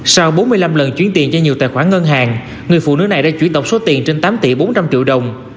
sau bốn mươi năm lần chuyển tiền cho nhiều tài khoản ngân hàng người phụ nữ này đã chuyển tổng số tiền trên tám tỷ bốn trăm linh triệu đồng